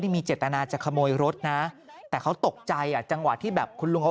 มีเจตนาจะขโมยรถนะแต่เขาตกใจอ่ะจังหวะที่แบบคุณลุงเขา